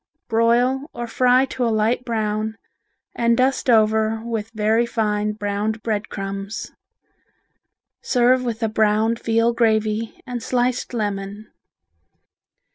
Broil or fry to a light brown and dust over with very fine browned bread crumbs. Serve with a browned veal gravy and sliced lemon.